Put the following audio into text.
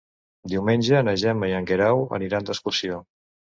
Diumenge na Gemma i en Guerau aniran d'excursió.